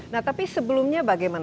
nah tapi sebelumnya bagaimana